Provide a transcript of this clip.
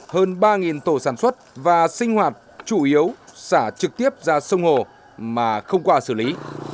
hơn ba tổ sản xuất và sinh hoạt chủ yếu xả trực tiếp ra sông hồ mà không qua xử lý